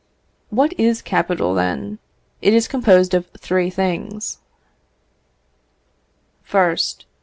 What is capital, then? It is composed of three things: 1st.